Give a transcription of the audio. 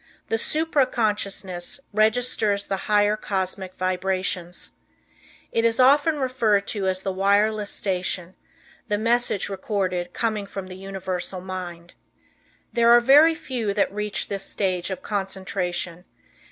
The supra consciousness registers the higher cosmic vibrations. It is often referred to as the wireless station, the message recorded coming from the universal mind. There are very few that reach this stage of concentration.